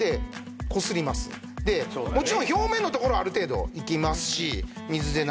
もちろん表面の所はある程度いきますし。